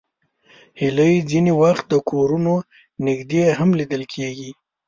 هیلۍ ځینې وخت د کورونو نږدې هم لیدل کېږي